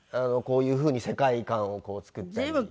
こういうふうに世界観を作ったり。